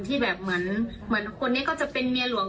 ที่แบบเหมือนคนนี้ก็จะเป็นเมียหลวง